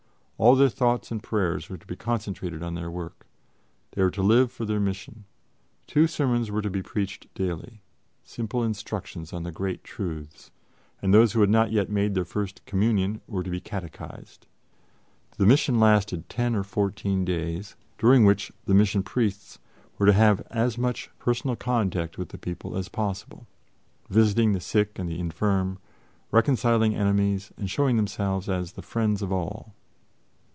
All their thoughts and prayers were to be concentrated on their work: they were to live for their mission. Two sermons were to be preached daily simple instructions on the great truths and those who had not yet made their First Communion were to be catechized. The mission lasted ten or fourteen days, during which the Mission Priests were to have as much personal contact with the people as possible, visiting the sick and the infirm, reconciling enemies and showing themselves as the friends of all.